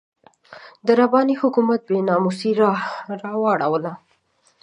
د رباني حکومت بې ناموسي راواړوله.